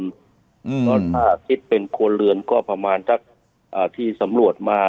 เพราะถ้าคิดเป็นครัวเรือนก็ประมาณสักที่สำรวจมา